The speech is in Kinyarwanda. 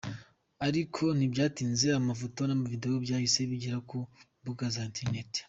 Ariko ntibyatinze amafoto n’amavideo byahise bigera ku mbuga za internet.